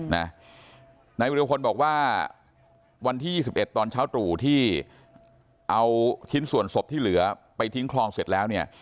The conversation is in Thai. ไหนบอกว่าวันที่ยี่สิบเอ็ดตอนเช้าตรู่ที่เอาชิ้นส่วนศพที่เหลือไปทิ้งคลองเสร็จแล้ว